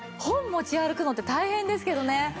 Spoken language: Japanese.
本持ち歩くのって大変ですけどね